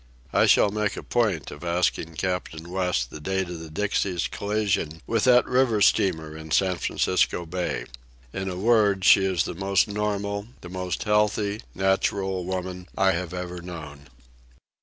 I shall make a point of asking Captain West the date of the Dixie's collision with that river steamer in San Francisco Bay. In a word, she is the most normal, the most healthy, natural woman I have ever known.